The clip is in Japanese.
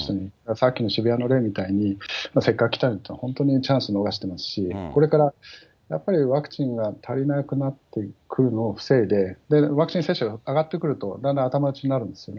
さっきの渋谷の例みたいに、せっかく来たのに、本当にチャンス逃してますし、これからやっぱりワクチンが足りなくなっていくのを防いで、ワクチン接種が上がってくると、だんだん頭打ちになるんですよね。